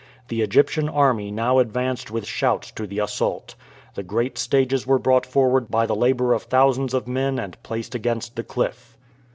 The Egyptian army now advanced with shouts to the assault. The great stages were brought forward by the labor of thousands of men and placed against the cliff.